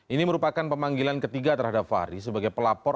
ini merupakan pemanggilan ketiga terhadap fahri sebagai pelapor